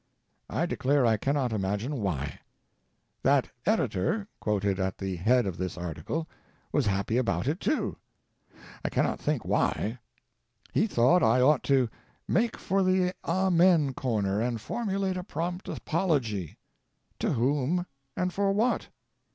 I declare I cannot imagine why. That editor — quoted at the head of this article — was happy about it, too. I cannot think why. He thought I ought to "make for the amen corner and formulate a prompt apology." To whom, and for what?